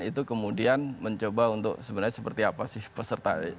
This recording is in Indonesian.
itu kemudian mencoba untuk sebenarnya seperti apa sih peserta